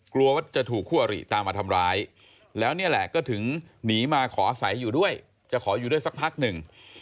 กลัวว่าจะถูกคู่อริตามมาทำร้ายแล้วนี่แหละก็ถึงหนีมาขออาศัยอยู่ด้วยจะขออยู่ด้วยสักพักหนึ่ง